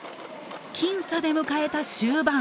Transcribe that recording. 僅差で迎えた終盤。